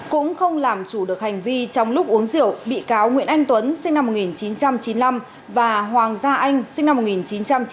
cũng không làm chủ được hành vi trong lúc uống rượu bị cáo nguyễn anh tuấn sinh năm một nghìn chín trăm chín mươi năm và hoàng gia anh sinh năm một nghìn chín trăm chín mươi